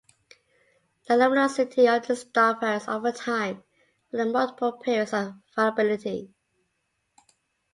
The luminosity of this star varies over time, following multiple periods of variability.